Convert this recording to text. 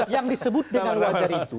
yang disebut dengan wajar itu